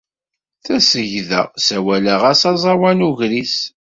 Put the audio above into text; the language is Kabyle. Tasegda ssawaleɣ-as aẓawan ugris.